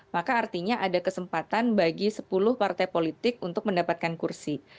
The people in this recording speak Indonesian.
maka artinya ada kesempatan bagi sepuluh partai politik untuk mendapatkan kursi